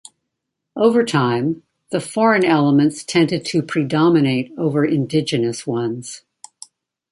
Over time, the foreign elements tended to predominate over indigenous ones.